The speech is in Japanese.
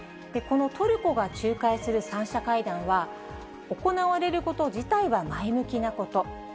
このトルコが仲介する３者会談は、行われること自体は前向きなこと。